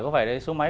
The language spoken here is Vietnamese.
có phải đây số máy